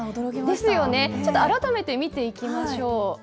ですよね、ちょっと改めて見ていきましょう。